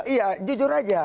iya jujur aja